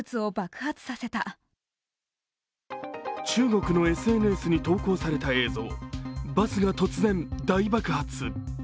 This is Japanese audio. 中国のＳＮＳに投稿された映像、バスが突然、大爆発。